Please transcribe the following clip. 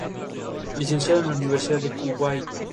Licenciado en la Universidad de Kuwait.